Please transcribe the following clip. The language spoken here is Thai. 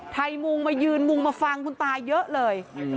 ไทยมุงมายืนมุงมาฟังคุณตาเยอะเลย